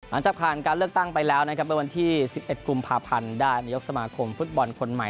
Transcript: หลังจากผ่านการเลือกตั้งไปแล้วนะครับเมื่อวันที่๑๑กุมภาพันธ์ได้นายกสมาคมฟุตบอลคนใหม่